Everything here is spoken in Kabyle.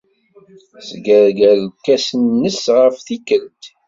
Tesgerger lkas-nnes ɣef tikkelt.